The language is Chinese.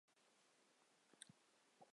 他们是同济历史上的第一届毕业生。